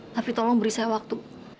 tapi tolong beri saya waktu